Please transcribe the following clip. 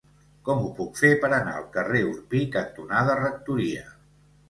Com ho puc fer per anar al carrer Orpí cantonada Rectoria?